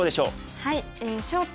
はい。